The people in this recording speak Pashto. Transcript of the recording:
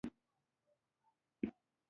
ښوونځی زموږ استعدادونه غوړوي